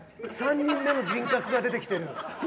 ３人目の人格が出てきてる。